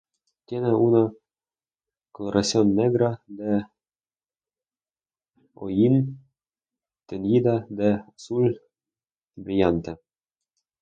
Tiene una coloración negra de hollín teñida de azul brillante.